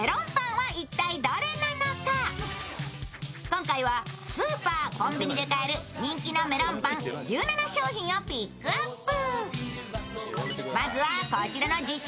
今回はスーパー、コンビニで買える人気のメロンパン１７商品をピックアップ。